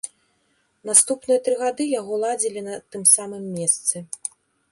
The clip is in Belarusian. Наступныя тры гады яго ладзілі на тым самым месцы.